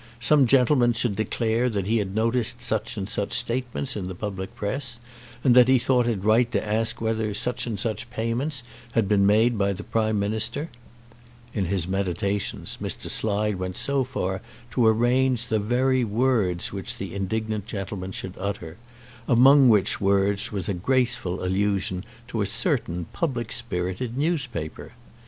Some gentleman should declare that he had noticed such and such statements in the public press, and that he thought it right to ask whether such and such payments had been made by the Prime Minister. In his meditations Mr. Slide went so far as to arrange the very words which the indignant gentleman should utter, among which words was a graceful allusion to a certain public spirited newspaper.